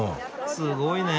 すごいね。